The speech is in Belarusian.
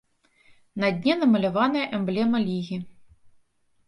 На дне намаляваная эмблема лігі.